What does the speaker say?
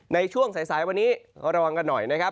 ในช่วงสายวันนี้ระวังกันหน่อยนะครับ